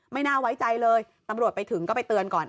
ไม่น่าไว้ใจเลยตำรวจไปถึงก็ไปเตือนก่อน